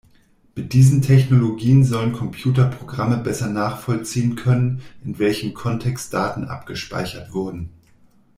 Mit diesen Technologien sollen Computerprogramme besser nachvollziehen können, in welchem Kontext Daten abgespeichert wurden.